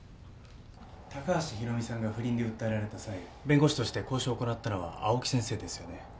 高橋博美さんが不倫で訴えられた際弁護士として交渉を行ったのは青木先生ですよね？